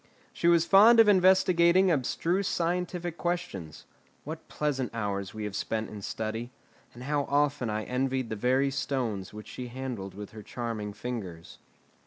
She was fond of investigating abstruse scientific questions. What pleasant hours we have spent in study; and how often I envied the very stones which she handled with her charming fingers.